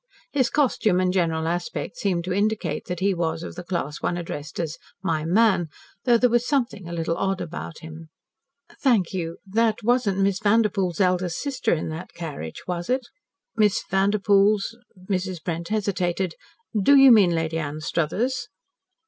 His costume and general aspect seemed to indicate that he was of the class one addressed as "my man," though there was something a little odd about him. "Thank you. That wasn't Miss Vanderpoel's eldest sister in that carriage, was it?" "Miss Vanderpoel's " Mrs. Brent hesitated. "Do you mean Lady Anstruthers?"